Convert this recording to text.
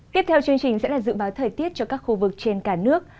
tiếp theo chương trình sẽ là dự báo thời tiết cho các khu vực trên cả nước